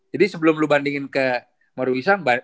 jadi sebelum lo bandingin ke mario usang